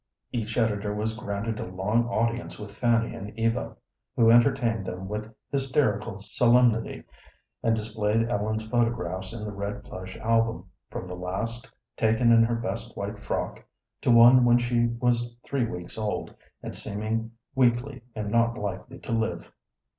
Each editor was granted a long audience with Fanny and Eva, who entertained them with hysterical solemnity and displayed Ellen's photographs in the red plush album, from the last, taken in her best white frock, to one when she was three weeks old, and seeming weakly and not likely to live.